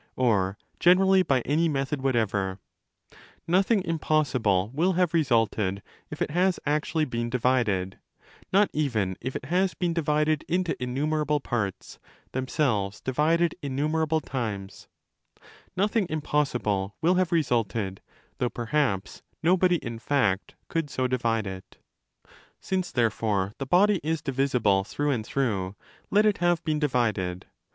or generally by any method whatever: nothing impossible will have resulted if it has actually been divided— not even if it has been divided into innumerable parts, themselves divided innumerable times. Nothing impossible ' i.e. by progressive bisection ad in/initum. 2165 25 30 316 5 DE GENERATIONE ET CORRUPTIONE will have resulted, though perhaps nobody in fact could so divide it. Since, therefore, the body is divisible through and through, let it have been divided.